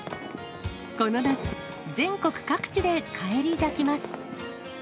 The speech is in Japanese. この夏、全国各地で返り咲きます。